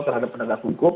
terhadap pendana hukum